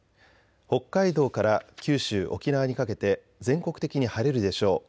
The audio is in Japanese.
北海道から九州、沖縄にかけて全国的に晴れるでしょう。